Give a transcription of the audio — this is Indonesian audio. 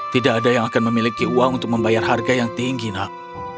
tidak ada yang akan memiliki uang untuk membayar harga yang tinggi nak